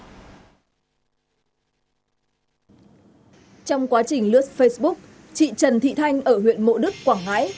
trong quá trình lướt facebook chị trần thị thanh ở huyện mộ đức quảng ngãi